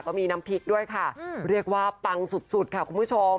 ก็มีน้ำพริกด้วยค่ะเรียกว่าปังสุดค่ะคุณผู้ชม